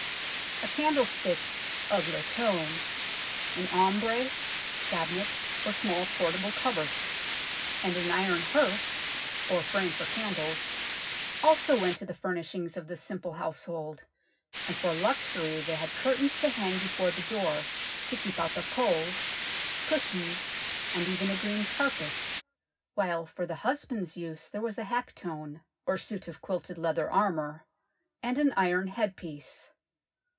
A candlestick " of lattone," an aumbrey (cabinet, or small portable cupboard) and an A LONDON HOUSEHOLD 245 iron herce, or frame for candles, also went to the furnishing of this simple household, and for luxury they had curtains to hang before the door to keep out the cold, cushions, and even a green carpet, while for the husband's use there was a haketone, or suit of quilted leather armour, and an iron head piece.